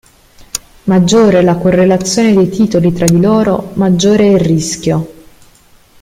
Maggiore è la correlazione dei titoli tra di loro, maggiore è il rischio.